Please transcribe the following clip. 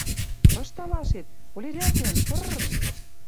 «Кыш талашет? Олерӓкӹн, тыр-р!»